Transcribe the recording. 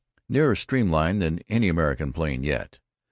Nearer streamline than any American plane yet.